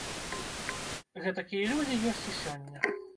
Гэтакія людзі ёсць і сёння.